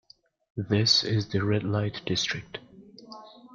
This is the red light district.